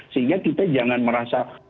sehingga kita jangan merasa